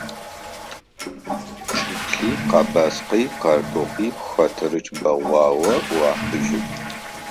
Чӏыплъи, къэбаскъи, картофи – хэтэрыкӏ бэгъуагъэ ӏуахыжьы.